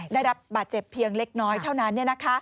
ได้รับบาดเจ็บเพียงเล็กน้อยเท่านั้น